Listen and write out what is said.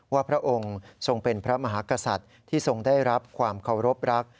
พระองค์ทรงเป็นพระมหากษัตริย์ที่ทรงได้รับความเคารพรัก